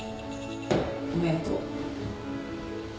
おめでとう。